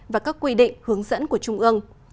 và các quy định hướng dẫn của trung ương